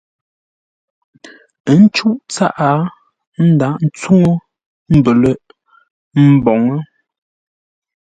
Ə́ ncûʼ tsaʼá ńdaghʼ ńtsuŋu mbələ̂ghʼ mboŋə́.